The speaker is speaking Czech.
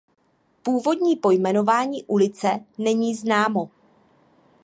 Původní pojmenování ulice není známo.